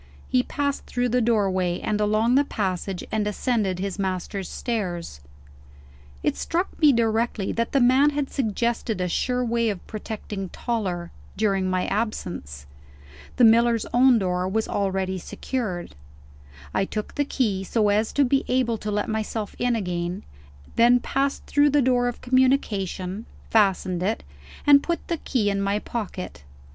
He passed through the doorway, and along the passage, and ascended his master's stairs. It struck me directly that the man had suggested a sure way of protecting Toller, during my absence. The miller's own door was already secured; I took the key, so as to be able to let myself in again then passed through the door of communication fastened it and put the key in my pocket.